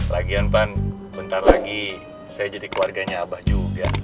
lagian pan bentar lagi saya jadi keluarganya abah juga